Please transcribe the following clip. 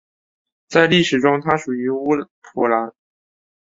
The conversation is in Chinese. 在历史上它属于乌普兰。